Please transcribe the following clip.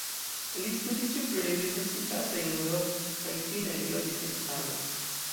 Li studis ĉe pluraj universitatoj en Eŭropo kaj fine ekloĝis en Hago.